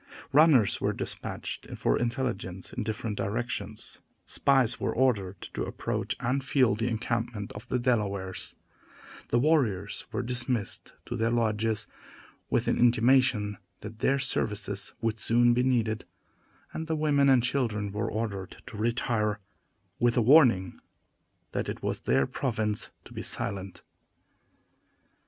Runners were despatched for intelligence in different directions; spies were ordered to approach and feel the encampment of the Delawares; the warriors were dismissed to their lodges, with an intimation that their services would soon be needed; and the women and children were ordered to retire, with a warning that it was their province to be silent.